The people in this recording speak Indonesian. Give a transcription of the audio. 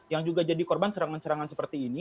yang juga jadi korban serangan serangan seperti ini